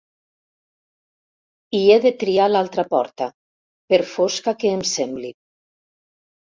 I he de triar l'altra porta, per fosca que em sembli.